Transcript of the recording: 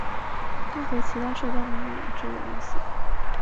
她和其他社交名媛一直有联系。